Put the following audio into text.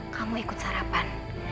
kamu ikut sarapan